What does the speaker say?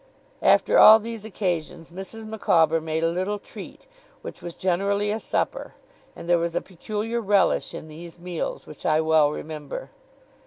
After all these occasions Mrs. Micawber made a little treat, which was generally a supper; and there was a peculiar relish in these meals which I well remember.